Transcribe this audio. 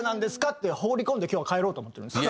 って放り込んで今日は帰ろうと思ってるんです。